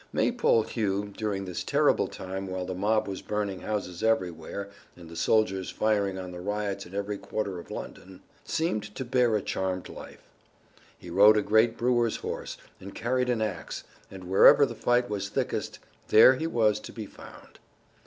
Maypole Hugh, during this terrible time while the mob was burning houses everywhere and the soldiers firing on the rioters in every quarter of London, seemed to bear a charmed life. He rode a great brewer's horse and carried an ax, and wherever the fight was thickest there he was to be found.